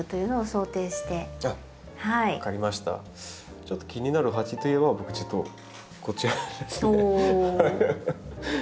ちょっと気になる鉢といえば僕ちょっとこちらですね。